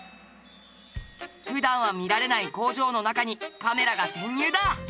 普段は見られない工場の中にカメラが潜入だ！